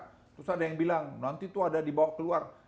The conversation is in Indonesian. terus ada yang bilang nanti itu ada dibawa keluar